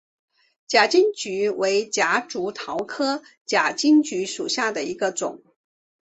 假金桔为夹竹桃科假金桔属下的一个种。